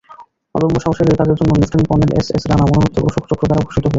অদম্য সাহসের এই কাজের জন্য লেঃ কর্নেল এসএস রানা মরণোত্তর অশোক চক্র দ্বারা ভূষিত হয়েছিলেন।